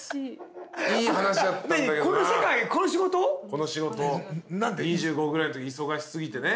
この仕事を２５ぐらいのとき忙し過ぎてね。